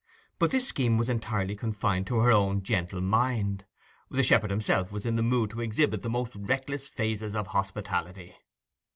But this scheme was entirely confined to her own gentle mind: the shepherd himself was in the mood to exhibit the most reckless phases of hospitality.